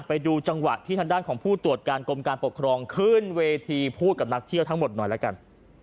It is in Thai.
ไปดูจังหวะที่ทางด้านของผู้ตรวจการกรมการปกครองขึ้นเวทีพูดกับนักเที่ยวทั้งหมดหน่อยละกัน